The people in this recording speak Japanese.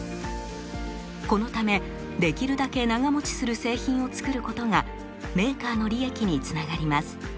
このためできるだけ長もちする製品を作ることがメーカーの利益につながります。